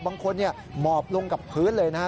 หมอบลงกับพื้นเลยนะฮะ